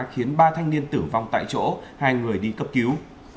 khiến ba thanh niên tử vong tại chỗ hai người đi cấp cứu